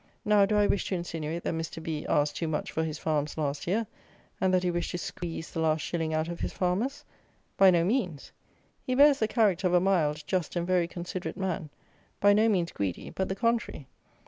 Now, do I wish to insinuate that Mr. B asked too much for his farms last year, and that he wished to squeeze the last shilling out of his farmers? By no means. He bears the character of a mild, just, and very considerate man, by no means greedy, but the contrary.